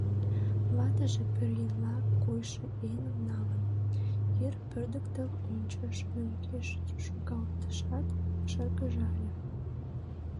Ватыже, пӧръеҥла койшо еҥым налын, йыр пӧрдыктыл ончыш, мӧҥгеш шогалтышат, шыргыжале.